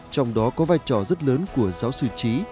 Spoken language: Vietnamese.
trong đó có vai trò rất lớn của giáo sư trí